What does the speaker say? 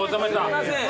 すいません。